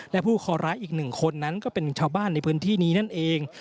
และผู้คอร้ายอีกหนึ่งคนนั้นก็เป็นชาวบ้านในพื้นที่นี้นั่นเอง